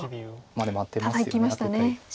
まあでもアテますよねアテたい。